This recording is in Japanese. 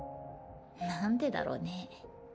何でだろね。